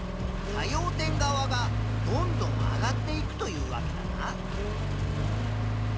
作用点側がどんどん上がっていくというわけだな。